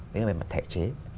đấy là về mặt thể chế